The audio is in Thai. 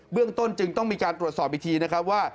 เรื่องต้นจึงต้องมีการตรวจสอบอีกทีนะครับว่า